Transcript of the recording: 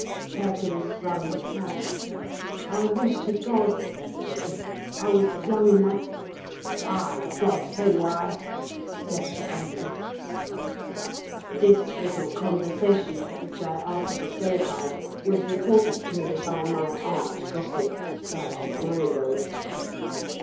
Perkins wrung his hand. "I wish to God," said he, "I was young enough " "By God! so do I!" said Sir Anthony. This little conversation (which I afterwards verified) was reported to me by my arch gossip, Sergeant Marigold.